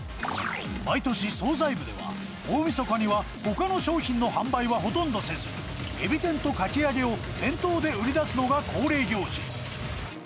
毎年、総菜部では、大みそかにはほかの商品の販売はほとんどせず、エビ天とかき揚げを店頭で売り出すのが恒例行事。